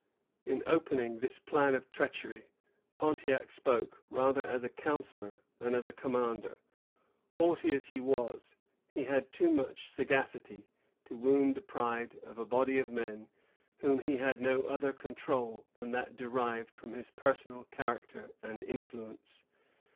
In opening this plan of treachery, Pontiac spoke rather as a counsellor than as a commander. Haughty as he was, he had too much sagacity to wound the pride of a body of men over whom he had no other control than that derived from his personal character and influence.